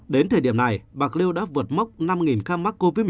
đến thời điểm này bạc liêu đã vượt mốc năm ca mắc covid một mươi chín